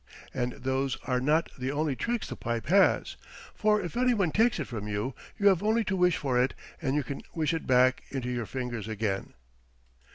And those are not the only tricks the pipe has, for if any one takes it from you, you have only to wish for it, and you can wish it back into your fingers again."